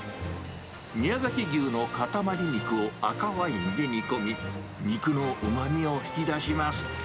宮崎牛の塊肉を赤ワインで煮込み、肉のうまみを引き出します。